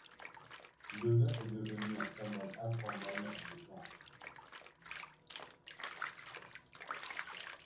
Le nœud est devenu un symbole informel de Gand.